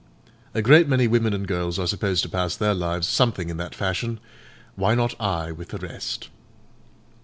A great many women and girls are supposed to pass their lives something in that fashion; why not I with the rest?